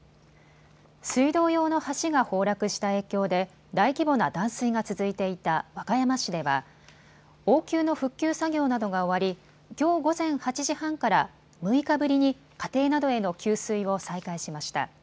水道用の橋が崩落した影響で大規模な断水が続いていた和歌山市では応急の復旧作業などが終わりきょう午前８時半から６日ぶりに家庭などへの給水を再開しました。